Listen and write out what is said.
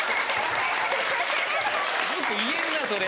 よく言えるなそれ。